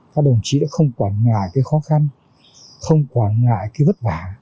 các đồng chí đã không quản ngại cái khó khăn không quản ngại cái vất vả